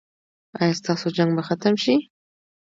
ایا ستاسو جنګ به ختم شي؟